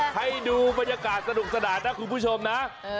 ให้ดูบรรยากาศสนุกสนานนะคุณผู้ชมนะ